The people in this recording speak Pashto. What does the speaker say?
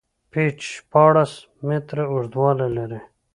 پېچ شپاړس میتره اوږدوالی لري.